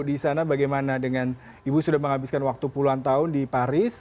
di sana bagaimana dengan ibu sudah menghabiskan waktu puluhan tahun di paris